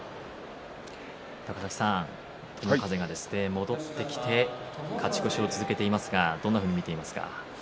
高崎さん、友風が戻ってきて勝ち越しを続けていますがどんなふうに見ていますか？